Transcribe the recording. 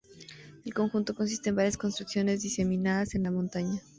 El conjunto consiste en varias construcciones diseminadas en la montaña.